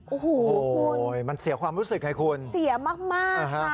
โอ้โหคุณมันเสียความรู้สึกค่ะคุณเสียมากมากค่ะอ่า